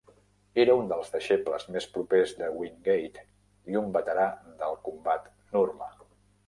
Era uns dels deixebles més propers de Wingate i un veterà del combat Nurma.